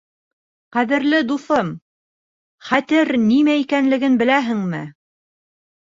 Ҡәҙерле дуҫым, Хәтер нимә икәнлеген беләһеңме?